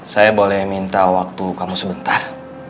saya boleh minta waktu kamu sebentar